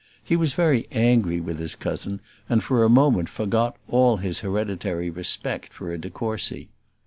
He was very angry with his cousin, and for a moment forgot all his hereditary respect for a de Courcy.